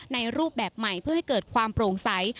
รูปแบบใหม่เพื่อให้เกิดความโปร่งใส